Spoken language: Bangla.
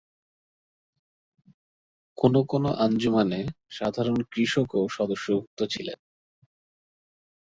কোনো কোনো আঞ্জুমানে সাধারণ কৃষকও সদস্যভুক্ত ছিলেন।